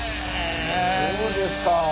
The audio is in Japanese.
そうですか。